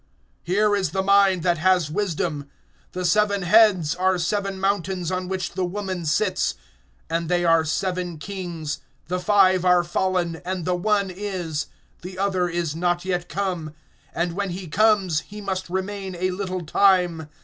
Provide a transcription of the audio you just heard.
(9)Here is the mind that has wisdom. The seven heads are seven mountains, on which the woman sits. (10)And they are seven kings; the five are fallen, and the one is; the other is not yet come; and when he comes, he must remain a little time.